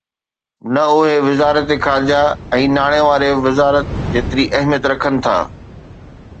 ته اهي وزارت خارجه ۽ ناڻي واري وزارت جيتري اهميت رکن ٿا